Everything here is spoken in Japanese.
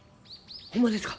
ホンマですか？